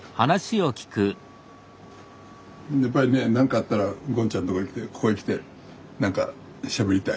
やっぱりね何かあったらゴンちゃんのとこへ来てここへ来て何かしゃべりたい。